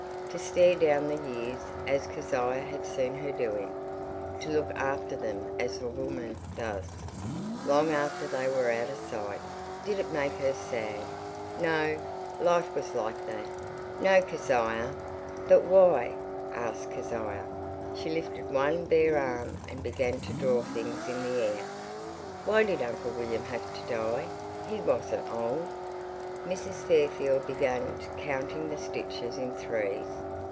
To stare down the years, as Kezia had seen her doing. To look after them as a woman does, long after they were out of sight. Did it make her sad? No, life was like that. "No, Kezia." "But why?" asked Kezia. She lifted one bare arm and began to draw things in the air. "Why did Uncle William have to die? He wasn't old." Mrs. Fairfield began counting the stitches in threes.